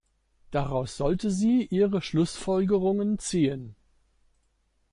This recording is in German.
Daraus sollte sie ihre Schlussfolgerungen ziehen.